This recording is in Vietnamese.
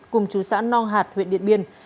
cùng chú xã nong hạt huyện điện biên